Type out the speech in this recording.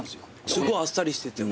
すごいあっさりしてて。